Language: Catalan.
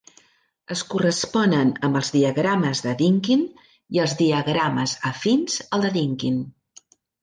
Es corresponen amb els diagrames de Dynkin i els diagrames afins al de Dynkin.